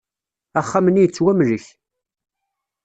Axxam-nni yettwamlek.